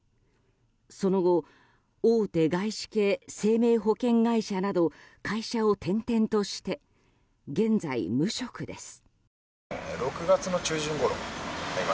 その後大手外資系生命保険会社など会社を転々として現在、無職です。